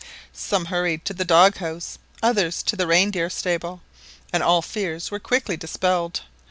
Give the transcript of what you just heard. Some hurried to the dog house, others to the reindeer stable, and all fears were quickly dispelled.